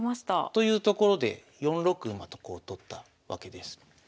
というところで４六馬とこう取ったわけです。